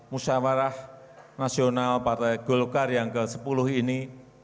musyawarah nasional partai golkar yang ke sepuluh ini